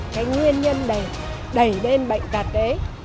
cái nguyên nhân đầy đầy đen bệnh tạ tế